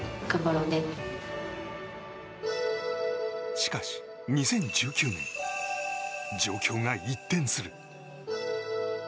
しかし、２０１９年状況が一転する。